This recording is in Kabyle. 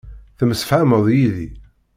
Temsefhameḍ yid-i.